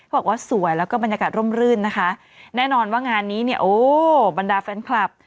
โหว้วบรรดาแฟนคลับ